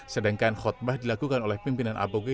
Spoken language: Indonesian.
sedangkan khutbah dilakukan oleh pimpinan aboge